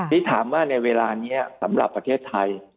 ที่ถามว่าในเวลานี้สำหรับประเทศไทย